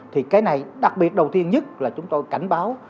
thì cái này đặc biệt đầu tiên nhất là chúng tôi cảnh báo